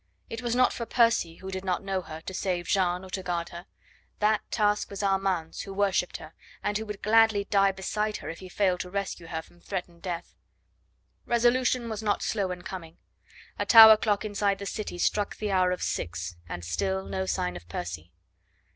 It was not for Percy, who did not know her, to save Jeanne or to guard her. That task was Armand's, who worshipped her, and who would gladly die beside her if he failed to rescue her from threatened death. Resolution was not slow in coming. A tower clock inside the city struck the hour of six, and still no sign of Percy.